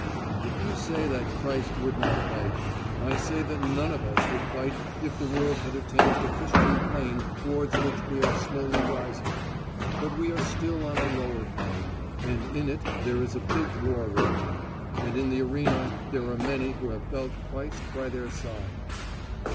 And if you say that Christ would not fight, I say that none of us would fight if the world had attained the Christian plane towards which we are slowly rising: but we are still on a lower plane, and in it there is a big war raging; and in the arena there are many who have felt Christ by their side.